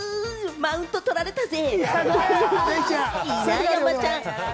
マウントを取られたぜ！